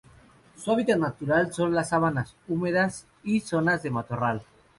Su hábitat natural son las sabanas húmedas y zonas de matorral.